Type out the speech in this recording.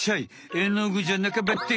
えのぐじゃなかばってん。